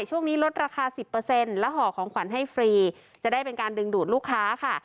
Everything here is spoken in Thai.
ช่วงนี้ลดราคาสิบเปอร์เซ็นต์และห่อของขวัญให้ฟรีจะได้เป็นการดึงดูดลูกค้าค่ะ